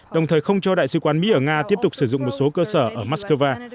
đồng thời không cho đại sứ quán mỹ ở nga tiếp tục sử dụng một số cơ sở ở moscow